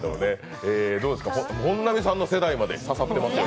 本並さんの世代まで刺さってますよ。